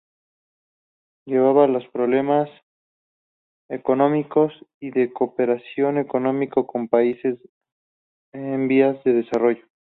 Llevaba los problemas económicos y de cooperación económica con países en vías de desarrollo.